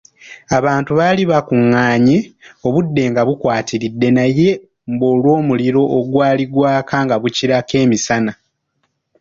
Abantu baali bakungaanye, obudde nga bukwatiridde naye mbu olw’omuliro ogwali gwaka nga bukirako emisana.